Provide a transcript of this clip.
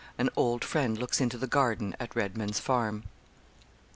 AN OLD FRIEND LOOKS INTO THE GARDEN AT REDMAN'S FARM.